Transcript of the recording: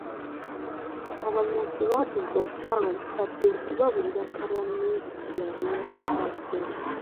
Abanyazi baabuuza omukyala omukadde okubabuulira mutabani we gye yali alaze.